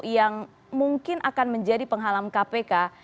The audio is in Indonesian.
yang mungkin akan menjadi penghalang kpk